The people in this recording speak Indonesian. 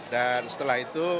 dan setelah itu